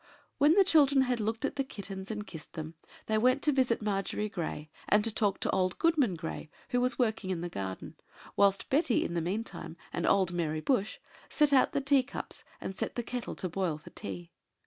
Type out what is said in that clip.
When the children had looked at the kittens and kissed them, they went to visit Margery Grey, and to talk to old Goodman Grey, who was working in the garden, whilst Betty, in the meantime, and old Mary Bush, set out the tea cups, and set the kettle to boil for tea.